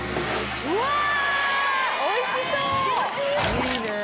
「いいね！」